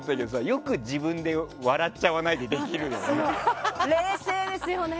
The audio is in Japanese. よく自分で笑っちゃわないでできるよね。